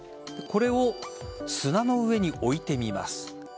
これを砂の上に置いてみます。